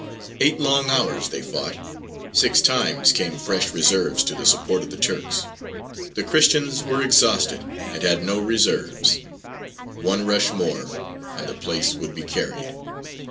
Eight long hours they fought, six times came fresh reserves to the support of the Turks; the Christians were exhausted, and had no reserves. One rush more and the place would be carried.